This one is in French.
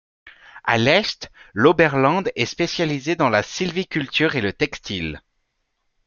À l'est, l'Oberland est spécialisé dans la sylviculture et le textile.